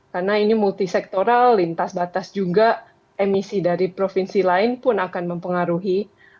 karena ini multisektoral lintas batas juga emisi dari provinsi lain pun akan mempengaruhi